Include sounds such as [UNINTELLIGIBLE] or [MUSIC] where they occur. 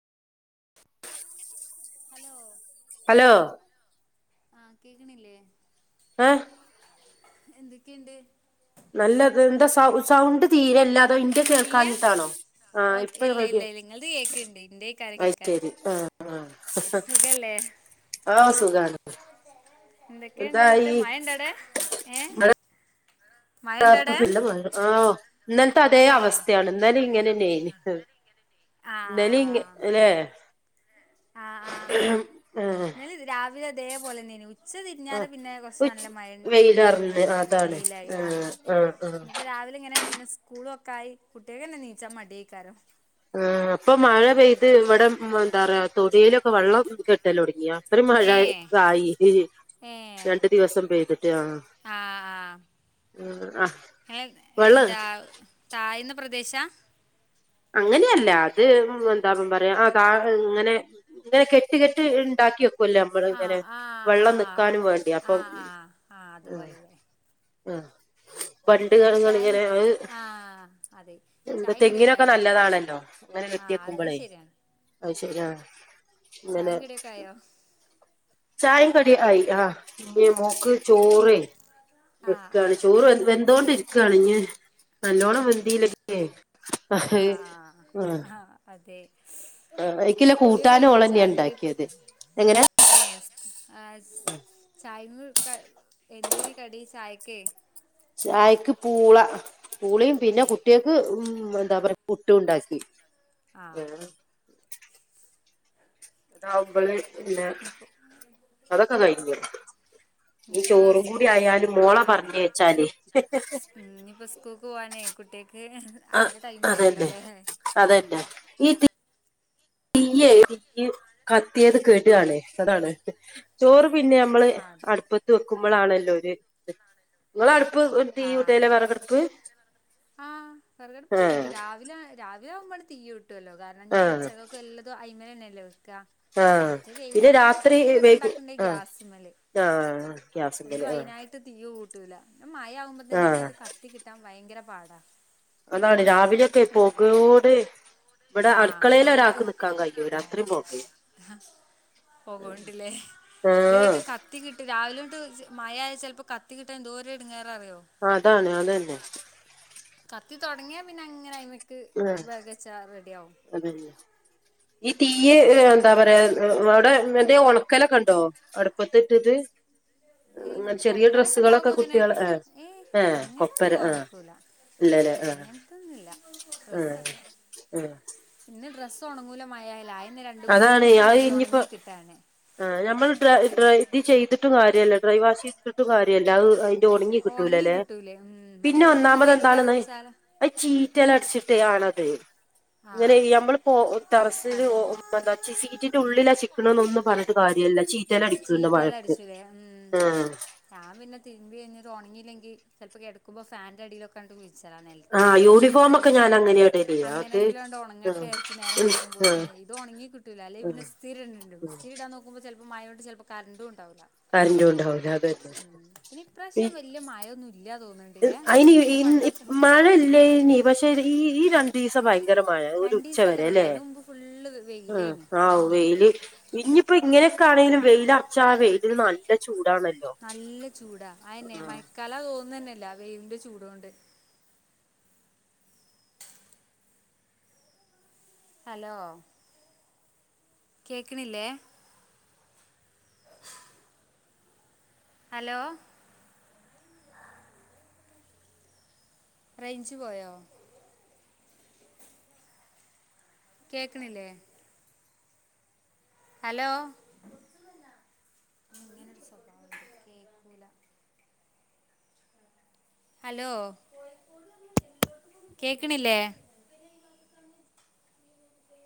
Hello hello ആ കേക്കിണില്യേ? ഏഹ് എന്തൊക്കെ ഇണ്ട്? നല്ലത് എന്താ സൗ സൗണ്ട് തീരെ ഇല്ല അതോ ഇൻ്റെ ഇല്ല കേൾക്കാഞ്ഞിട്ടാണോ? ആഹ് ഓക്കെ ഇപ്പ ഇല്ല റെഡിയ ഇല്ല ഇല്ല നിങ്ങളത് കേക്കണ്ട് ഇന്റെക്കാരം അത് ശെരി കേക്കാത്തെ ആഹ് ആഹ് ഓ സുഖാണ് എന്തൊക്കെണ്ട് എന്നിട്ട് എന്തായി മഴ ഇണ്ടാടെ ഏഹ്? മഴ [UNINTELLIGIBLE] ആഹ് ഇന്നൽത്തെ അതേ ഏ അവസ്ഥയാണ് ഇന്നലേം ഇങ്ങനന്നെയിന്. ഇന്നലെ ആഹ് ലേ ആഹ് ആഹ് ആഹ് ഇന്നലെ രാവിലെ ഇതേപോലന്നേനു ഉച്ച ആഹ് തിരിഞ്ഞാല് പിന്നെ കൊറച്ച് ഉച്ച് നല്ല മഴ നിന്ന് വെയിലർഞ്ഞ് തോന്നുണു അതാണ് വെയിലായി ആഹ് ആഹ് ആഹ് ഇന്ന് ഇപ്പ രാ രാവിലെ ഇങ്ങനെയാണ് പിന്നെ സ്കൂള് ഒക്കെ ആയി കുട്ടികക്കന്നെ നീച്ചാ മടി ഐക്കാരം ആഹ് ഇപ്പൊ മഴ പെയ്ത് ഇവടെ എന്താ പറയാ തൊടയിലൊക്കെ വെള്ളം കെട്ടലൊടങ്ങി ആഹ് [UNINTELLIGIBLE] മഴ ഏ കായി ഏ രണ്ടു ദിവസം പെയ്തിട്ട് ആഹ് ഏഹ് എന്താ താഴ്ന്ന പ്രദേശാ? അങ്ങനെയല്ല അത് [UNINTELLIGIBLE] എന്താ ഇപ്പോ പറയാ ആഹ് ഇങ്ങനെ ഇങ്ങനെ കെട്ട് കെട്ട് ഇണ്ടാക്കിയെക് ക്കെല്ലോ നമ്മള് ഇങ്ങനെ ആഹ് ആഹ് വെള്ളം ആഹ് ആഹ് നിക്കാനും വേണ്ടി അപ്പൊ ആഹ് ആഹ് ആഹ് ആഹ് നിൻ്റെ ചായും ആഹ് അതെ ചായും കടിയൊക്കെ ആ ഒക്കെ നല്ലതാണല്ലോ അങ്ങനെ കെട്ടിയെക്കുമ്പോളേ അത് ശരി അഹ് ചായേം കടിയെക്കെ ആയോ ചായേം കടി ആയി ആഹ് ന്നി മോക്ക് ചോറെ ആഹ് വെക്കണ് ആഹ് ചോറ് വ വെന്തോണ്ടിര്ക്കാണ് ഇഞ് നല്ലോണം വെന്തില്ലങ്കെ ആഹ ആ് ആ് അതെ ആ എക്ക്ല്ല കുടിയൊക്കെ കൂട്ടാനും കഴിഞ്ഞോ ഉളന്നെയ ചായിം കുടി ഉണ്ടാക്കിയത് എങ്ങനെ ആ ചായ എന്തേന് കടി ചായക്കെ ചായക്ക് പൂള പൂളയും പിന്നെ ഏഹ് കുട്ടികൾക്ക് ഉ എന്താ പറയാ പുട്ട് ഉണ്ടാക്കി ആഹ് എന്നാവുമ്പൾ പിന്നെ ഇനിപ്പോ അതൊക്കെ കഴഞ്ഞ ഇനിപ്പോ സ്കൂ ആ പറഞ്ഞയച്ചാല് ഇനിയിപ്പോ സ്കൂക്ക് പോവാനേ കുട്ടി ക്ക് അയിന്റെ ടൈം ആണല്ലോല്ലേ അതല്ലെ ഈ തീ്യ അപ്പൊ തീ കത്തിയത് കേട്ടുകണേ അതാണ് ചോറ് പിന്നെ നമ്മള് ആഹ് അടുപ്പത്ത് വെക്കുമ്പോൾാണല്ലോ ഒരു നിടു ആഹ ആഹ വിറകടപ്പട്ടു ആഹ് രാവിലെില അവ ആവുമോ തീ കട്ടുവല്ലോ കാരണം ഇനി പു ആഹ് ഉച്ചകൾക്കെ വല്ലതും അ്മമ തന്നല്ലേ ആഹ് മറ്റേ പിന്നെ വൈകുന്നേരംക്കെ എന്തെങ്കിലുമൊക്കെ ഉണ്ടാക്കണ്ട ഗ്യാസ് മല് ആഹ യാസങ്കില് ആഹ കിട്ടൂ മഴ ആകുമ്പോ തന്നെ ഇത് ക് കത്തി കിട്ടാൻ ഭയങ്കര പാടാ അതാണ് രാവിലൊക്കെ ഇങ്ങട്ട് പോകോടെ ഇവിടെ ആഹ് അടുക്കളൽ വെറക് ഒരാക്ക് നക്കാൻ കഴിഞ്ഞോ രാത്രിയും പോക്കേ പോകണ്ടില്ലേ ഇത് കേട്ട് കത്തി കിട്ട് രാവിലെ മയ ചിലപ്പോ കത്തി കിട്ട ദോരടുങ്ങ അതാണ് അത തന്നെ കത്തി തുടങ്ങിയാ പിന്നെ അങ്ങനെ അ്മക്ക് വഗച്ചാർ അതെല്ല ഈ തീയ എന്താ പറയാ അവിടെ എന്റെറെ ഉണക്കലൊക്കെണ്ടോ അടുപ്പത്തിട്ടിത് ഉ ഇല്ല കൊപ്പരൊക്കെ ഇണ്ടാവുമ്പോ അങ്ങനെ ഏയ് ആ അങ്ങനെ കൊപ്പര ഒന്നും ആ ഓണക്കൂല ഇല്ലല്ലേ ആഹ ആ ആ ഡ്രസ്സും അനുകൂലമായാല ആ അതാണ് അ ഇനിപ്പോ ആ ഞമ്മൾ്രൈ ഇത് ചെയ്തിട്ടും കാര്യമല്ലേ ഡ്രൈവവാസ് ചെയ്തിിട്ടും കാര്യമല്ല അത് അതിന്റെ ഒണങ്ങി കിട്ടൂല ഉണങ്ങി അല്ലേ കിട്ടൂലേ ഉം പിന്നെ മറ്റേ ഒന്ന് ഒന്നാമത് എന്താാണ്ന്ന് വെയിലറച്ചാല അ ചീറ്റല്ല അടിച്ചി ആണത് ഇങ്ങനെ ആഹ് നമ്മളപ്പോ റൽ അതന്നെ ചിസ കിട്ട്ള്ളിലാ ചിക്കണന്ന് ഒന്ന് പറു കാര്യല്ല ചീറ്റയില അടിക്കുന്നുണ്ട് ചീറ്റെല്ലാം വഴക്ക് അടിച്ചൂലേ ഉം ആ ഉണങ്ങില്ലെങ്കിൽ ചപ്പോ കിടക്കുമ്പോ ഫാന്റെ അടിയിലൊക്കെ ആ യൂണിഫോമ ഒക്കെ ഞാൻ അങ്ങനെയടല്ല അത് അങ്ങനെങ്കിലുംണ്ട് ആ ഉണങ്ങട്ടെ വിചാരിച്ച് നേരം ആ വെളുക്കുമ്പോത്തിന് ഇത് ഉണങ്ങി കിട്ടൂ അല്ലങ്ക പിന്ന സ്ഥിര ഉണ്ട് ഉം സ്ഥിരിടാ നോുമ്പോ ചിലപ്പോ മഴണ്ട് ചിലപ്പോ കറും ഉണ്ട് കറന്റും ഉണ്ടാവൂല അതന്നെ പിന്നപ്രാവശ്യം വല്യ മഴൊന്നും ഇല്ല തോന്ന അയിനി മഴ ഇല്ല ഇനി പക്ഷെ ഈ ഈ രണ്ടു ദിവസംമായി ഭയങ്കരമായ ഒരു ഉച്ച രണ്ടീസല്ല വരെ വേണ്ട അല്ലേ അതിന് മുമ്പ് ഫുള്ള് ആ വെയിലേനി ആ അതിന് മുമ്പ് വെയില് ഇനിപ്പോ ഇങ്ങനെ ണെും വെയിലൽ അച്ചാ വെയിൽ നല്ല ചൂടാണല്ലോ നല്ല ചൂടാ അെന്നെ ആഹ് മയക്കാല തോന്നുന്നതന്നെയല്ലാ വേവിറെ ചൂടൊണ്ട് ഹലോ കേക്കണില്ലേ ഹലോ റേഞ്ച് പോയോ കേക്കണില്ലേ ഹലോ അ ഹലോ കേക്കണില്ലേ